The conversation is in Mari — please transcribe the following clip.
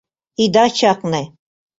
ИДА ЧАКНЕ